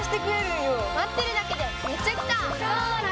待ってるだけでめっちゃきた。